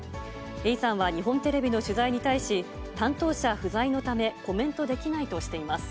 永山は日本テレビの取材に対し、担当者不在のため、コメントできないとしています。